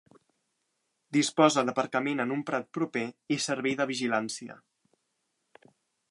Disposa d'aparcament en un prat proper i servei de vigilància.